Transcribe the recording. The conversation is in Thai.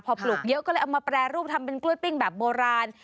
พอปลูกเยอะก็เลยเอามาแปรรูปทำเป็นกล้วยปิ้งแบบโบราณ